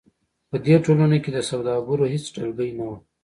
په دې ټولنو کې د سوداګرو هېڅ ډلګۍ نه وه.